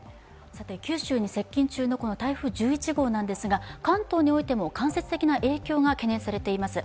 九州に接近中の台風１１号なんですが、関東においても間接的な影響が懸念されています。